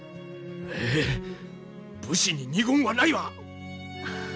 ええ武士に二言はないわ！